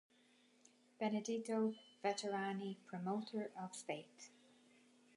Benedetto Vetrani, Promoter of Faith.